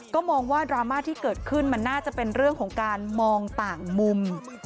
ก็มองว่าดราม่าที่เกิดขึ้นมันน่าจะเป็นเรื่องของการมองต่างมุม